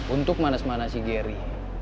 untuk manas manasi gary